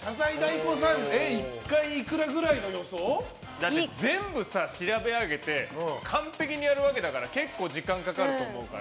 だって全部調べあげて完璧にやるわけだから結構時間かかると思うから。